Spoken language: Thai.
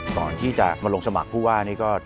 ก่อนที่จะมาลงสมัครผู้ว่านี่ก็